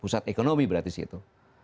pusat ekonomi berarti sih itu